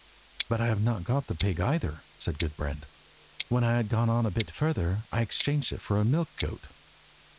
"But I have not got the pig either," said Gudbrand. "When I had gone on a bit further I exchanged it for a milch goat."